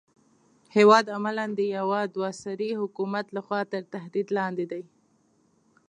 هېواد عملاً د يوه دوه سري حکومت لخوا تر تهدید لاندې دی.